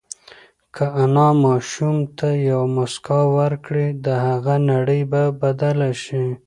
که انا ماشوم ته یوه مسکا ورکړي، د هغه نړۍ به بدله شي.